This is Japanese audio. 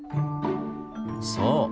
そう！